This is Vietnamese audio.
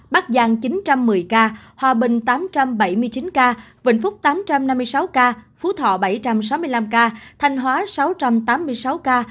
bắc giang chín trăm một mươi ca hòa bình tám trăm bảy mươi chín ca vĩnh phúc tám trăm năm mươi sáu ca phú thọ bảy trăm sáu mươi năm ca thanh hóa sáu trăm tám mươi sáu ca